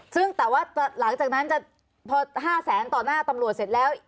ซึ่งแต่ว่าหลังจากนั้นจะพอ๕แสนต่อหน้าตำรวจเสร็จแล้ว